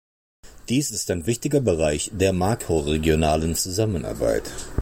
Dies ist ein wichtiger Bereich der makroregionalen Zusammenarbeit.